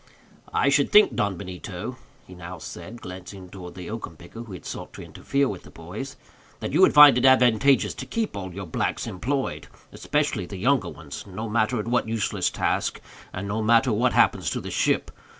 "I should think, Don Benito," he now said, glancing towards the oakum picker who had sought to interfere with the boys, "that you would find it advantageous to keep all your blacks employed, especially the younger ones, no matter at what useless task, and no matter what happens to the ship.